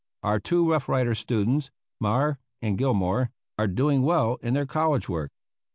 Our two Rough Rider students, Meagher and Gilmore, are doing well in their college work.